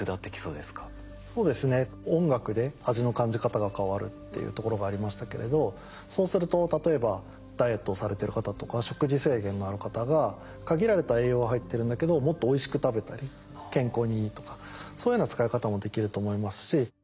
そうですね「音楽で味の感じ方が変わる」っていうところがありましたけれどそうすると例えばダイエットをされてる方とか食事制限のある方が限られた栄養は入ってるんだけどもっとおいしく食べたり健康にいいとかそういうような使い方もできると思いますし。